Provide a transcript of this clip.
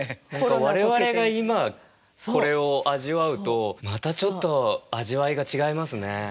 我々が今これを味わうとまたちょっと味わいが違いますね。